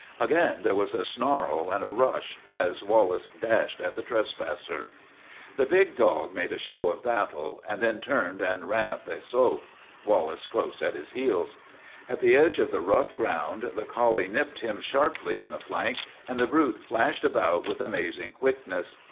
Again there was a snarl and a rush as Wallace dashed at the trespasser. The big dog made a show of battle and then turned and ran up the slope, \Vallace close at his heels. At the edge of the rough ground the collie nipped him sharply in the flank, and the brute flashed about with amazing quickness.